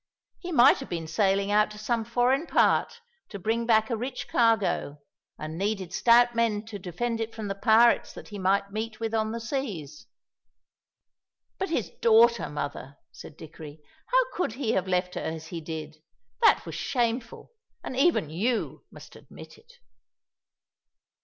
He might have been sailing out to some foreign part to bring back a rich cargo, and needed stout men to defend it from the pirates that he might meet with on the seas." "But his daughter, mother," said Dickory; "how could he have left her as he did? That was shameful, and even you must admit it."